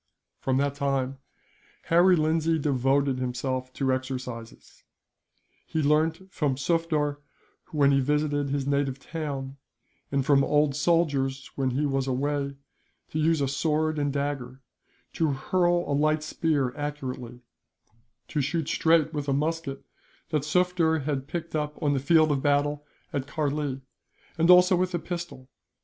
From that time, Harry Lindsay devoted himself to exercises. He learnt from Sufder, when he visited his native town, and from old soldiers, when he was away, to use a sword and dagger, to hurl a light spear accurately, to shoot straight with a musket, that Sufder had picked up on the field of battle at Karlee, and also with the pistol.